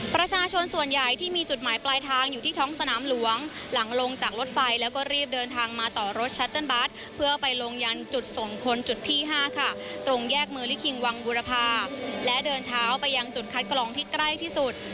ประชาชนส่วนใหญ่ที่มีจุดหมายปลายทางอยู่ที่ท้องสนามหลวงหลังลงจากรถไฟแล้วก็รีบเดินทางมาต่อรถชัตเติ้ลบัสเพื่อไปลงยันจุดส่งคนจุดที่๕ค่ะตรงแยกมือลิคิงวังบุรพาและเดินเท้าไปยังจุดคัดกรองที่ใกล้ที่สุด